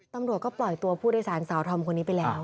ตำรวจก็ปล่อยตัวผู้โดยสารสาวธอมคนนี้ไปแล้ว